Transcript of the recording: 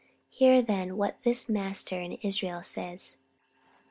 Hear, then, what this master in Israel says.